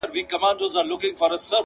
چا له بېري هلته سپوڼ نه سو وهلاى.!